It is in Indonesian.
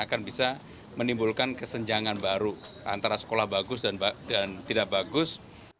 akan bisa menimbulkan kesenjangan baru antara sekolah bagus dan tidak bagus